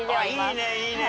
いいねいいね。